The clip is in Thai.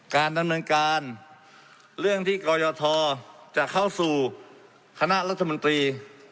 การดำเนินการเรื่องที่กรยทจะเข้าสู่คณะรัฐมนตรี